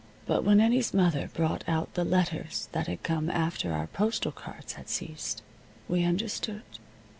But when Eddie's mother brought out the letters that had come after our postal cards had ceased, we understood.